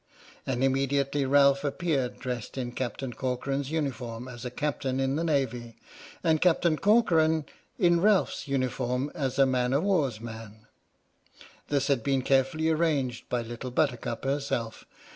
And immediately Ralph appeared dressed in Captain Corcoran's uniform as a captain in the navy, and Captain Corcoran in Ralph's uniform as a man o' war's man! This had been carefully arranged by Little Buttercup herself.